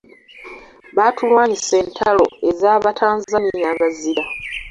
Batulwanyisa entalo ez'Abatanzania abazira.